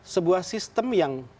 sebuah sistem yang